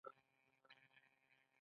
جنیټیکي ناروغۍ له کورنۍ راځي